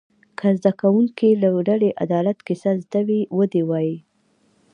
که د زده کوونکو له ډلې د عدالت کیسه زده وي و دې وایي.